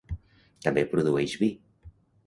També produeix vi.